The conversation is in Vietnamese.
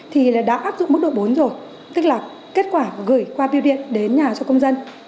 thì đã áp dụng mức độ bốn rồi tức là kết quả gửi qua biêu điện đến nhà cho công dân